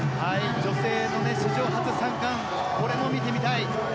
女性の史上初３冠これも見てみたい。